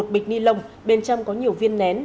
một bịch ni lông bên trong có nhiều viên nén